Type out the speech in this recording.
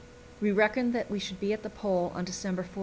We reckoned that we should be at the Pole on December 14.